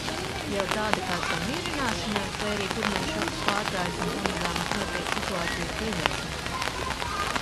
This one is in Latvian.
Jau tāda kā samierināšanās vai arī pirmais šoks pārgājis un pamazām notiek situācijas pieņemšana?